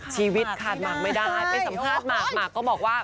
ชีวิตขาดหมากไม่ได้ไปสัมภาษณ์หมากก็บอกว่า